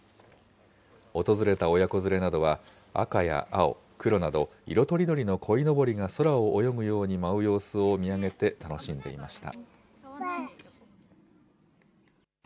訪れた親子連れなどは、赤や青、黒など、色とりどりのこいのぼりが空を泳ぐように舞う様子を見上げて楽しんでいました。